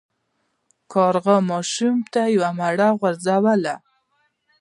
کارغه ماشوم ته یوه مڼه وغورځوله.